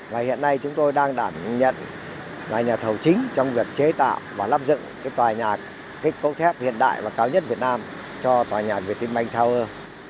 và hiện nay chúng tôi đang đảm nhận là nhà thầu chính trong việc chế tạo và lắp dựng cái tòa nhà kết cấu thép hiện đại và cao nhất việt nam cho tòa nhà việt tiên banh tower